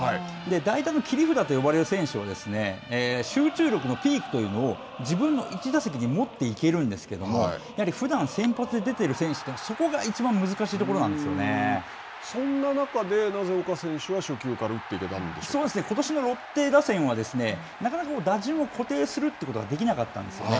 代打の切り札と呼ばれる選手は、集中力のピークというのを自分の１打席に持っていけるんですけれども、やはり、ふだん先発で出ている選手は、そこがいちばん難しいとこそんな中で、なぜ岡選手は、初ことしのロッテ打線は、なかなか打順を固定するということができなかったんですね。